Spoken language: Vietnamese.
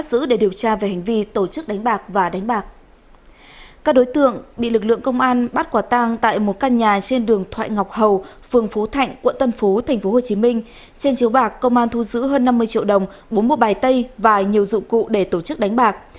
trên chiếu bạc công an thu giữ hơn năm mươi triệu đồng muốn mua bài tay và nhiều dụng cụ để tổ chức đánh bạc